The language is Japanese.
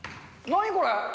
何これ。